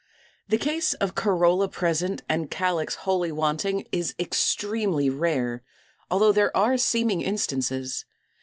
The case of corolla present and calyx wholly wanting is extremely rare, although there are seeming instances.